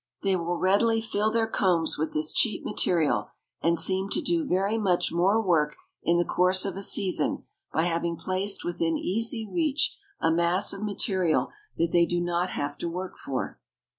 They will readily fill their combs with this cheap material and seem to do very much more work in the course of a season by having placed within easy reach a mass of material that they do not have to work for.